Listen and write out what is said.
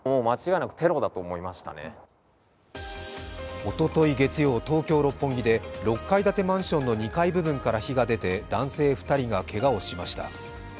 おととい月曜、東京・六本木で６階建てマンションの２階部分から火が出て、男性２人がけがをしました。